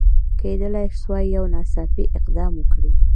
کېدلای سوای یو ناڅاپي اقدام وکړي.